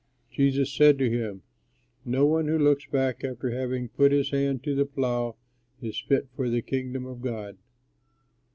Jesus said to him, "No one who looks back after having put his hand to the plough is fit for the Kingdom of God."